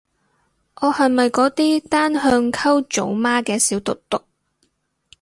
我係咪嗰啲單向溝組媽嘅小毒毒